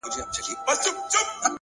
هره پوښتنه د پوهې نوې دروازه ده